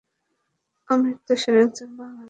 অমর্ত্য সেন একজন বাঙালি লেখক।